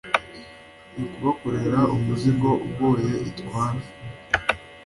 n'ukubakorera umuzigo ugoye itwara;